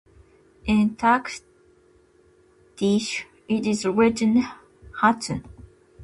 In Turkish it is written hatun.